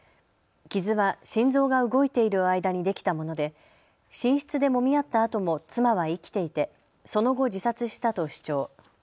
傷は心臓が動いている間にできたもので寝室でもみ合ったあとも妻は生きていてその後自殺したと主張。